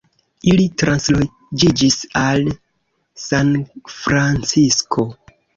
Ili transloĝiĝis al Sanfrancisko.